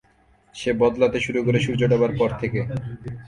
সে বদলাতে শুরু করে সূর্য ডোবার পর থেকে।